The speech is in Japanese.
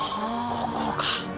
ここか。